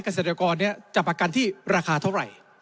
เกษตรกรจะประกันที่ราคาเท่าไหร่